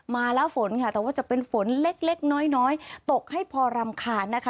มาแล้วฝนค่ะแต่ว่าจะเป็นฝนเล็กน้อยน้อยตกให้พอรำคาญนะคะ